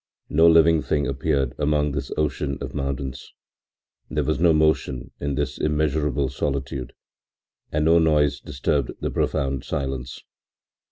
No living thing appeared among this ocean of mountains. There was no motion in this immeasurable solitude and no noise disturbed the profound silence.